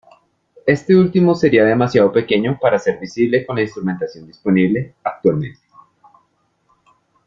Este último sería demasiado pequeño para ser visible con la instrumentación disponible actualmente.